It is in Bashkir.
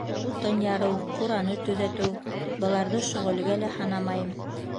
Утын ярыу, ҡураны төҙәтеү - быларҙы шөғөлгә лә һанамайым.